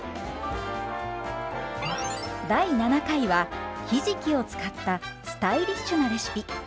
第７回はひじきを使ったスタイリッシュなレシピ。